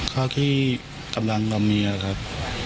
เท่าที่กำลังกับเมียครับ